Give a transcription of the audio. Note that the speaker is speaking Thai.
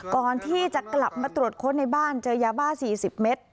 ก่อนที่จะกลับมาตรวจค้นในบ้านเจอยาบ้า๔๐เมตร